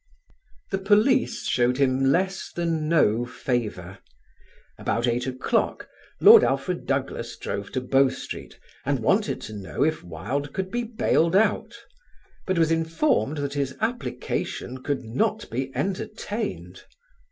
The police showed him less than no favour. About eight o'clock Lord Alfred Douglas drove to Bow Street and wanted to know if Wilde could be bailed out, but was informed that his application could not be entertained.